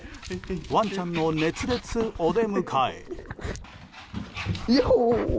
ワンちゃんの熱烈お出迎え。